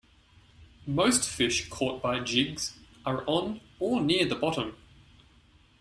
Most fish caught by jigs are on or near the bottom.